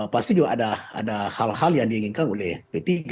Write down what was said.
pasti juga ada hal hal yang diinginkan oleh p tiga